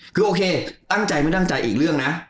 คือโอเคตั้งใจไม่ตั้งใจอีกเรื่องนะ